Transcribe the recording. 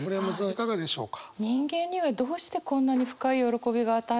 いかがでしょうか？